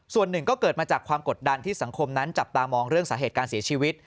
ส่วนหนึ่งก็เกิดมาจากความกดดันที่สังคมนั้นจับตามองเรื่องสาเหตุการเสียชีวิต